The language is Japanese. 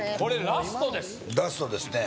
ラストですね